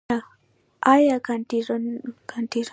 آیا کانټینرونه په بندرونو کې دریږي؟